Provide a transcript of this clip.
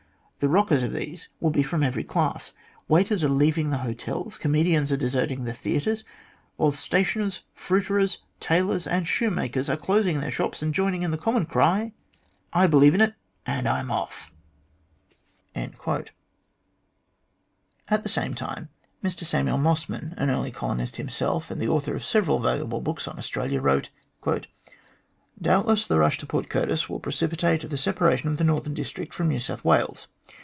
The rockers of these will be from every class. Waiters are leav ing the hotels, comedians are deserting the theatres, while stationers, fruiterers, tailors, and shoemakers are closing their shops and joining in the common cry :" I believe in it, and I'm off." THE HOST OF DISAPPOINTED DIGGERS 129 At the same time, Mr Samuel Mossman, an early colonist himself, and the author of several valuable books on Australia, wrote :" Doubtless, the rush to Port Curtis will precipitate the separa tion of the northern district from New South Wales.